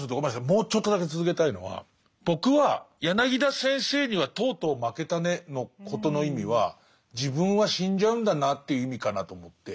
もうちょっとだけ続けたいのは僕は柳田先生にはとうとう負けたねのことの意味は自分は死んじゃうんだなという意味かなと思って。